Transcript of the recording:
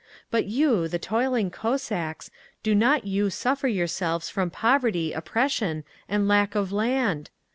But you, the toiling Cossacks, do not you suffer yourselves from poverty, oppression and lack of land?